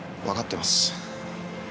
わかってます。